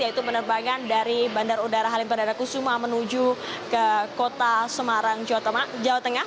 yaitu penerbangan dari bandara udara halim perdana kusuma menuju ke kota semarang jawa tengah